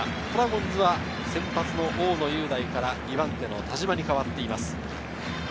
ドラゴンズは先発の大野雄大から２番手の田島に代わっています。